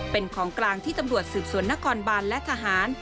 เป็นของกลางที่ตำรวจสืบสวนนครบานและทหาร